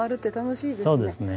そうですね。